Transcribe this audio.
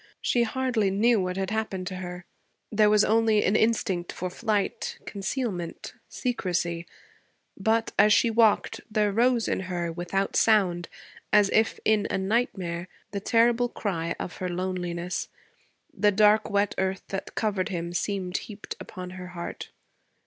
She hardly knew what had happened to her; there was only an instinct for flight, concealment, secrecy; but, as she walked, there rose in her, without sound, as if in a nightmare, the terrible cry of her loneliness. The dark wet earth that covered him seemed heaped upon her heart.